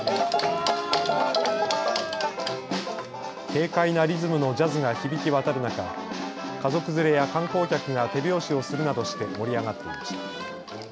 軽快なリズムのジャズが響き渡る中、家族連れや観光客が手拍子をするなどして盛り上がっていました。